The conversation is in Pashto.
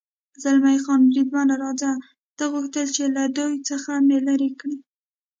زلمی خان: بریدمنه، راځه، ده غوښتل چې له دوی څخه مې لرې کړي.